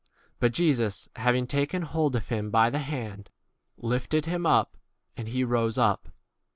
But Jesus, having taken hold of him by the hand, lifted him up, and he rose up.